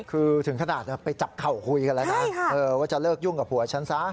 คือถึงขนาดไปจับเข่าคุยกันแล้วนะว่าจะเลิกยุ่งกับผัวฉันซะ